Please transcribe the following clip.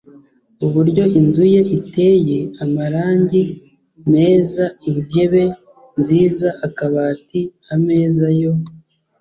uburyo inzu ye iteye amarangi meza, intebe nziza, akabati, ameza yo